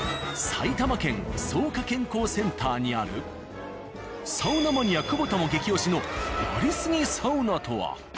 埼玉県草加健康センターにあるサウナマニア窪田も激推しのやりすぎサウナとは！？